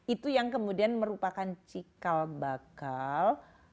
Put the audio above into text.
itu yang kemudian merupakan cikal bakal